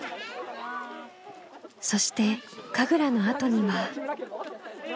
そして神楽のあとには。